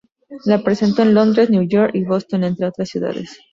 La presentó en Londres, Nueva York y Boston, entre otras ciudades.